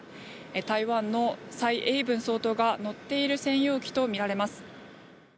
台湾の蔡英文総統が乗っている専用機とみられます。